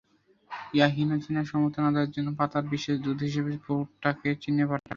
ইয়াহিয়া চীনা সমর্থন আদায়ের জন্য তাঁর বিশেষ দূত হিসেবে ভুট্টোকে চীনে পাঠালেন।